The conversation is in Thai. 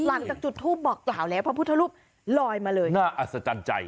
หลังจากจุดทูปบอกกล่าวแล้วพระพุทธรูปลอยมาเลยน่าอัศจรรย์ใจ